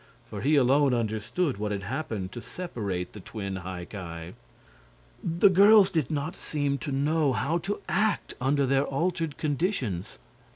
For he alone understood what had happened to separate the twin High Ki. The girls did not seem to know how to act under their altered conditions.